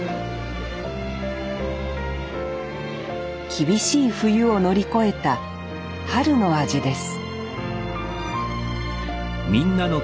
厳しい冬を乗り越えた春の味です